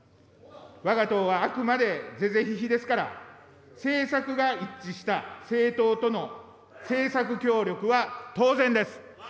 わが党はあくまで是々非々ですから、政策が一致した政党との政策協力は当然です。